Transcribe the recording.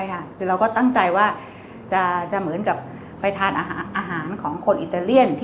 มันเป็นการทำสไตล์เติมอาหารในยูอิตาเลียน